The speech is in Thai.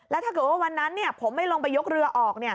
แล้วถ้าเกิดว่าวันนั้นผมไม่ลงไปยกเรือออก